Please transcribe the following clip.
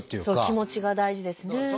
そう気持ちが大事ですね。